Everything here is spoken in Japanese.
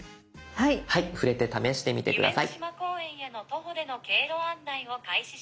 はい触れて試してみて下さい。